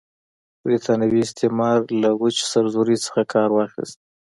برټانوي استعمار له وچې سرزورۍ څخه کار واخیست.